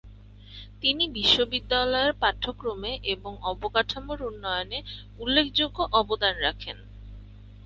তিনি বিশ্ববিদ্যালয়ের পাঠক্রম ও অবকাঠামোর উন্নতিতে উল্লেখযোগ্য অবদান রাখেন।